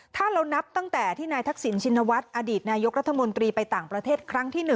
ถ้าเรานับตั้งแต่ที่นายทักษิณชินวัฒน์อดีตนายกรัฐมนตรีไปต่างประเทศครั้งที่๑